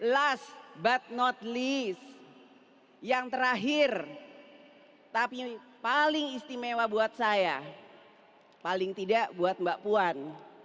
last but not least yang terakhir tapi paling istimewa buat saya paling tidak buat mbak puan